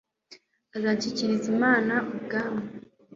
azashyikiriza Imana ubwami